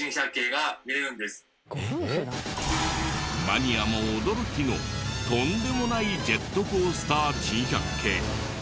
マニアも驚きのとんでもないジェットコースター珍百景。